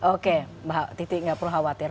oke mbak titi nggak perlu khawatir